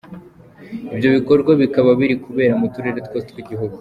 Ibyo bikorwa bikaba biri kubera mu turere twose tw’Igihugu.